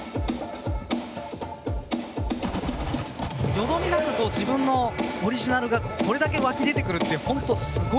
よどみなく自分のオリジナルがこれだけ湧き出てくるって本当すごいことだと。